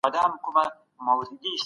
فارابي وايي انسان په طبيعي ډول ټولنيز دی.